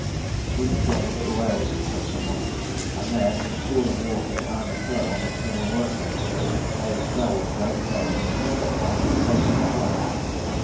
"Good God, look at the whales," said some one, and there, in a pool of water behind the floe on which we were working, lay twelve great whales in perfect line, facing the floe.